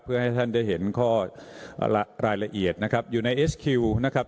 เพื่อให้ท่านได้เห็นข้อรายละเอียดนะครับอยู่ในเอสคิวนะครับ